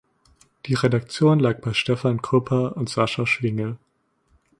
Die Redaktion lag bei Stefan Kruppa und Sascha Schwingel.